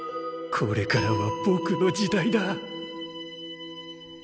これからはぼくの時代だ！